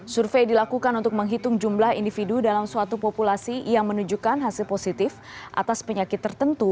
survei dilakukan untuk menghitung jumlah individu dalam suatu populasi yang menunjukkan hasil positif atas penyakit tertentu